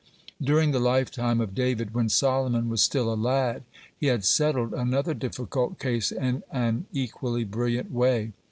(26) During the lifetime of David, when Solomon was still a lad, he had settled another difficult case in an equally brilliant way.